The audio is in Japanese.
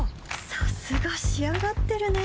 さすが仕上がってるね